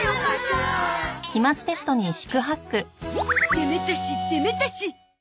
でめたしでめたし。